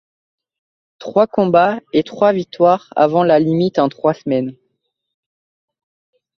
Trois combats et trois victoires avant la limite en trois semaines.